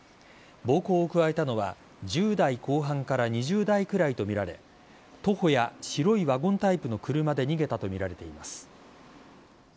暴行を加えたのは１０代後半から２０代くらいとみられ徒歩や白いワゴンタイプの車で逃げたとみられています。